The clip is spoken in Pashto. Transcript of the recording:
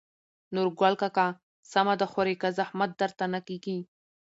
نورګل کاکا: سمه ده خورې که زحمت درته نه کېږي.